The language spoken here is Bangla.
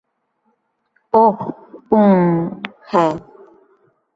ওহ, উম, হ্যাঁ।